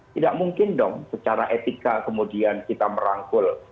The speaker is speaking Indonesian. tidak mungkin dong secara etika kemudian kita merangkul